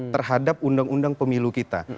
terhadap undang undang pemilu kita